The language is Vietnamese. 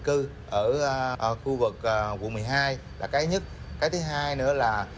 cái thứ ba nữa là